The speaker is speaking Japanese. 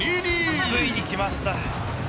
ついにきました。